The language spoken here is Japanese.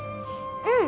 うん。